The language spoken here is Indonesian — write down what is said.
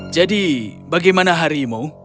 jadi bagaimana harimu